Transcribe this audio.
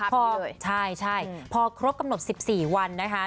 พร้อมด้วยใช่พอครบกำหนด๑๔วันนะคะ